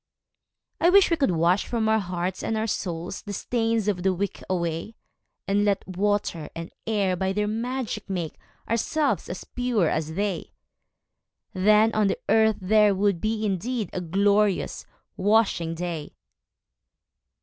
I wish we could wash from our hearts and our souls The stains of the week away, And let water and air by their magic make Ourselves as pure as they; Then on the earth there would be indeed A glorious washing day!